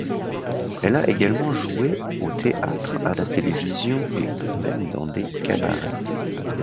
Elle a également joué au théâtre, à la télévision et même dans des cabarets.